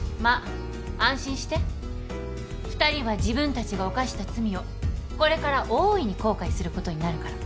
２人は自分たちが犯した罪をこれから大いに後悔することになるから。